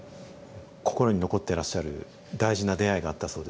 心に残ってらっしゃる大事な出会いがあったそうですね。